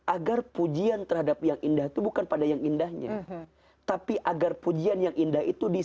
agar pujian terhadap yang indah itu bukan pada yang indahnya tapi agar pujian yang indah itu di